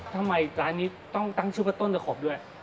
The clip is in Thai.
ทำไมร้านนี้ต้องตั้งชื่อว่าต้นตะขบด้วย